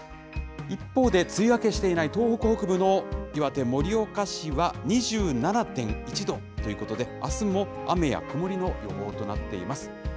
一方で梅雨明けしていない東北北部の岩手・盛岡市は２７．１度ということで、あすも雨や曇りの予報となっています。